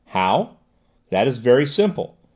How? That is very simple!